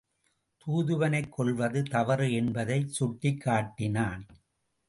தூதுவனைக் கொல்வது தவறு என்பதைச் சுட்டிக் காட்டினான்.